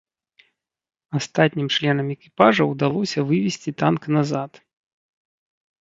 Астатнім членам экіпажа ўдалося вывесці танк назад.